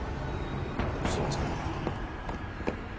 すみません。